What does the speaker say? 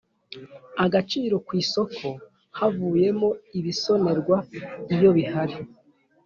Agaciro ku isoko havuyemo ibisonerwa iyo bihari